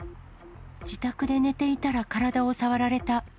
自宅で寝ていたら体を触られた。